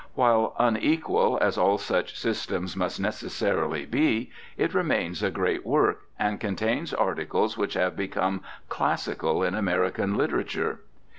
While unequal, as all such systems must necessarily be, it remains a great work, and contains articles which have become classical in American literature.